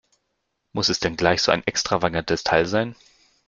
Muss es denn gleich so ein extravagantes Teil sein?